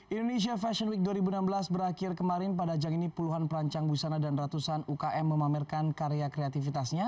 indonesia fashion week dua ribu enam belas berakhir kemarin pada ajang ini puluhan perancang busana dan ratusan ukm memamerkan karya kreatifitasnya